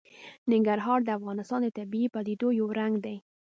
ننګرهار د افغانستان د طبیعي پدیدو یو رنګ دی.